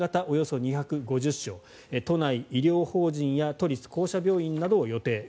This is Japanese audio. およそ２５０床都内医療法人や都立・公社病院などを予定